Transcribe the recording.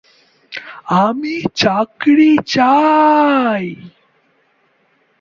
আমি চাকরি চাই।